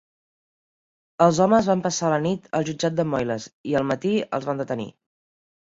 Els homes van passar la nit al jutjat de Moyles i al matí els van detenir.